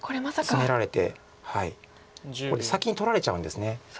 ツメられてこれ先に取られちゃうんです。